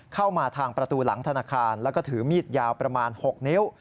เข้ามาทางประตูหลังธนาคารแล้วก็ถือมีดยาวประมาณ๖นิ้ว